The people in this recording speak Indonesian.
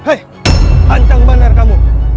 hei hancang banar kamu